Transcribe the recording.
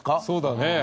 そうだね。